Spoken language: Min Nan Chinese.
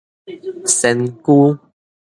仙居